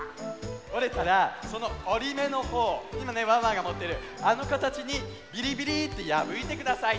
おれたらそのおりめのほういまねワンワンがもってるあのかたちにビリビリってやぶいてください。